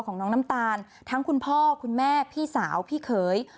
ของน้องน้ำตาลทั้งคุณพ่อคุณแม่พี่สาวพี่เขย